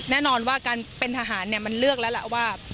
แน่นอนว่าการเป็นทหารมันเลือกแล้วล่ะว่า